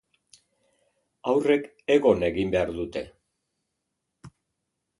Haurrek egon egin behar dute.